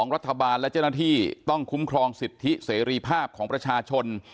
รัฐบาลและเจ้าหน้าที่ต้องคุ้มครองสิทธิเสรีภาพของประชาชน